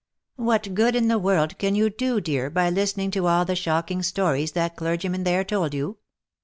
"What good in the world can you do, dear, by listening to all the shocking stories that clergyman there told you